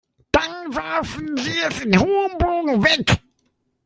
Dann warfen sie es im hohen Bogen weg.